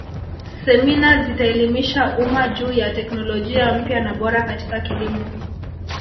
semina zitaelimisha umma juu ya teknolojia mpya na bora katika kilimo